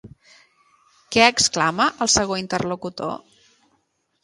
Què exclama el segon interlocutor?